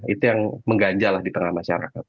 itu yang mengganjalah di tengah masyarakat